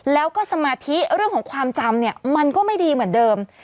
แล้วก็สมาธิเรื่องของความจำเนี่ยมันก็ไม่ดีเหมือนเดิม